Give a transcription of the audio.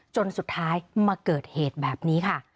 จนสุดท้ายมาเกิดเหตุแบบนี้ค่ะ